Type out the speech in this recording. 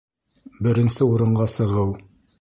Беренсе урынға сығыу